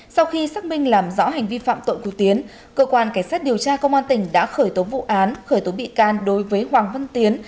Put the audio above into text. sau khi xác minh làm rõ hành vi phạm tội của tiến cơ quan cảnh sát điều tra công an tỉnh đã khởi tố vụ án khởi tố bị can đối với hoàng văn tiến